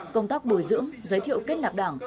công tác bồi dưỡng giới thiệu kết nạp đảng